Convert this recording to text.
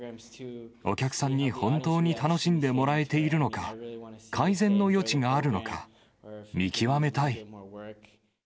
お客さんに本当に楽しんでもらえているのか、改善の余地があるのか、見極めたい。